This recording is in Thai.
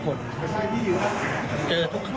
ฟังเสียงคุณแฮกและคุณจิ้มค่ะ